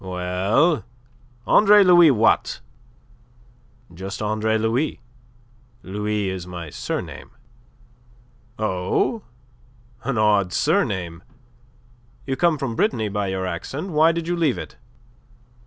"Well? Andre Louis what?" "Just Andre Louis. Louis is my surname." "Oh! An odd surname. You come from Brittany by your accent. Why did you leave it?"